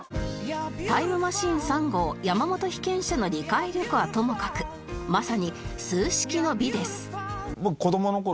タイムマシーン３号山本被験者の理解力はともかくまさに数式の美です